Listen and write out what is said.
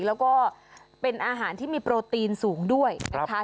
แล้วก็เป็นอาหารที่มีโปรตีนสูงด้วยนะคะ